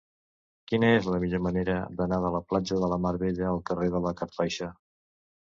Quina és la millor manera d'anar de la platja de la Mar Bella al carrer de la Cartoixa?